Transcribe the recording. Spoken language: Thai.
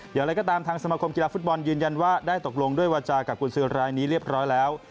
อย่างไรก็ตามทางสมคมกีฬาฟุตบอลยืนยันว่าได้ตกลงด้วยวาจากับกุญสือรายนี้เรียบร้อยแล้ว